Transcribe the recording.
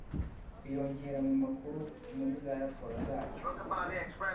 kuyongera mu makuru muri za raporo zacyo